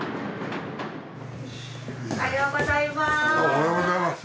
おはようございます。